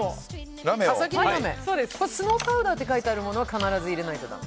これ、スノーパウダーって書いてあるのは必ず入れないとだめ？